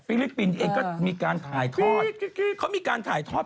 ฟิลิปปินต์เองก็มีการถ่ายทอด